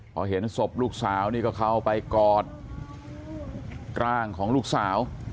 พอเห็นศพลูกสาวนี่ก็เข้าไปกอดร่างของลูกสาว